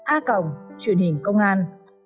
a cổng truyện hình công an